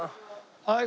はい。